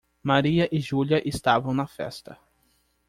Maria e Júlia estavam na festa.